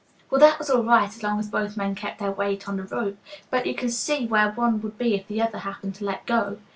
"Well, that was all right as long as both men kept their weight on the rope, but you can see where one would be if the other happened to let go.